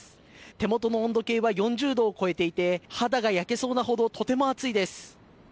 手元の温度計は４０度を超えていて肌が焼けそうなほどとても暑いです。